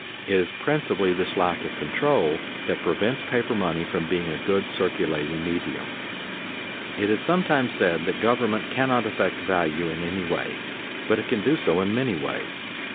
It is principally this lack of control that prevents paper money from being a good circulating medium. [Sidenote: Influence of law on value] It is sometimes said that government cannot affect value in any way, but it can do so in many ways.